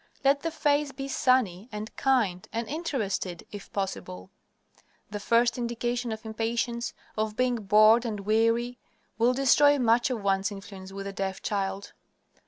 Let the face be sunny and kind and INTERESTED, if possible. The first indication of impatience, of being bored and weary, will destroy much of one's influence with the deaf child.